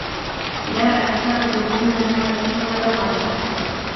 لا أعتقد أنها ستمطر غدا.